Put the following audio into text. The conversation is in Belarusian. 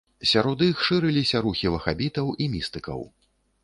Сярод іх шырыліся рухі вахабітаў і містыкаў.